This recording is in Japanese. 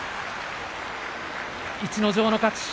逸ノ城の勝ち。